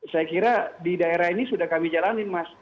saya kira di daerah ini sudah kami jalanin mas